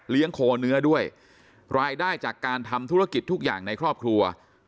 โคเนื้อด้วยรายได้จากการทำธุรกิจทุกอย่างในครอบครัว